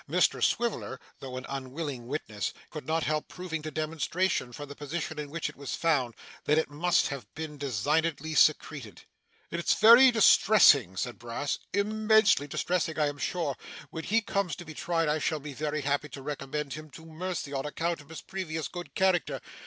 Mr Swiveller, though an unwilling witness, could not help proving to demonstration, from the position in which it was found, that it must have been designedly secreted. 'It's very distressing,' said Brass, 'immensely distressing, I am sure. When he comes to be tried, I shall be very happy to recommend him to mercy on account of his previous good character.